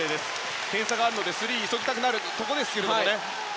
点差があるのでスリーで急ぎたくなるところですがね。